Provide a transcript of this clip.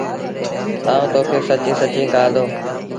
آئوٚنٚ تو کي سچيٚݩ سچيٚݩ ڪهآندو تا